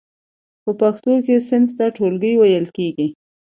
په پښتو کې صنف ته ټولګی ویل کیږی.